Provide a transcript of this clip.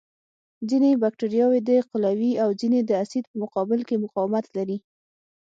ځینې بکټریاوې د قلوي او ځینې د اسید په مقابل کې مقاومت لري.